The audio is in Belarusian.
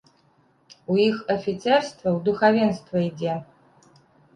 У іх афіцэрства ў духавенства ідзе.